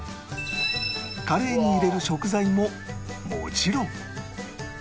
カレーに入れる食材ももちろん